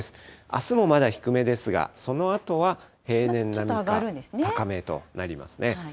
あすもまだ低めですが、そのあとは平年並みか高めとなります。